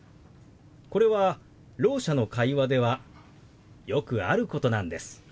これはろう者の会話ではよくあることなんです。